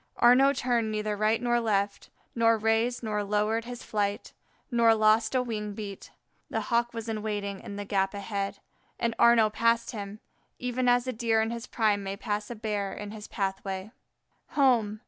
Arnaux turned neither right nor left, nor raised nor lowered his flight, nor lost a wing beat. The Hawk was in waiting in the gap ahead, and Arnaux passed him, even as a Deer in his prime may pass by a Bear in his pathway. Home!